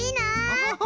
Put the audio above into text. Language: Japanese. アハハハ